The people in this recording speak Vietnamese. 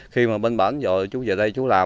khi mà bên bản rồi chú về đây chú làm